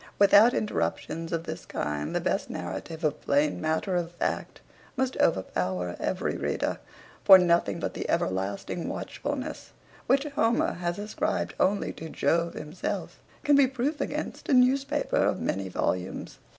Without interruptions of this kind, the best narrative of plain matter of fact must overpower every reader; for nothing but the ever lasting watchfulness, which Homer has ascribed only to Jove himself, can be proof against a newspaper of many volumes.